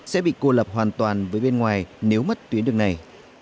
sẽ bị cô lập hoàn toàn với bên ngoài nếu mất tuyến đường này